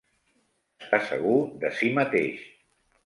Està segur de si mateix.